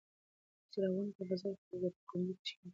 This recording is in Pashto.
څراغونه په فضا کې خپرېږي او په کمرو کې ښکاري.